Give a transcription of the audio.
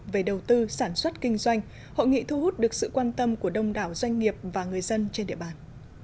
về đầu tư sản xuất kinh doanh hội nghị thu hút được sự quan tâm của đông đảo doanh nghiệp và người dân trên địa bàn